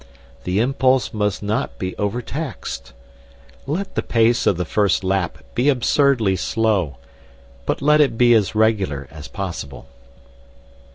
The impulse must not be over taxed. Let the pace of the first lap be even absurdly slow, but let it be as regular as possible.